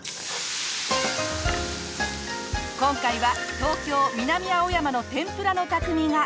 今回は東京南青山の天ぷらの匠が。